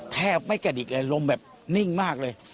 แทบไม่แก่ดิกลมแบบนิ่งมากเลย